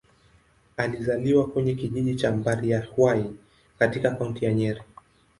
Alizaliwa kwenye kijiji cha Mbari-ya-Hwai, katika Kaunti ya Nyeri.